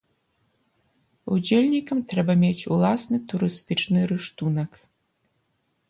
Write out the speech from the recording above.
Удзельнікам трэба мець уласны турыстычны рыштунак.